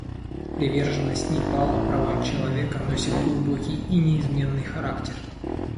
Приверженность Непала правам человека носит глубокий и неизменный характер.